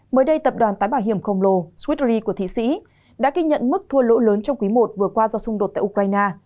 mới đây tập đoàn tái bảo hiểm không lô swiss re của thị sĩ đã ghi nhận mức thua lỗ lớn trong quý i vừa qua do xung đột tại ukraine